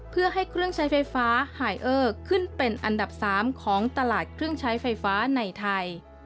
เพื่อให้เครื่องใช้ไฟฟ้าไฮเออร์ขึ้นเป็นอันดับ๓ของตลาดเครื่องใช้ไฟฟ้าในไทย